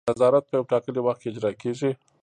نظارت په یو ټاکلي وخت کې اجرا کیږي.